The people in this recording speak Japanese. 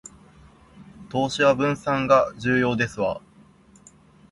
投資は分散が重要ですわ